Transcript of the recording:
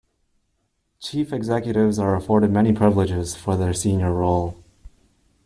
Chief executives are afforded many privileges for their senior role.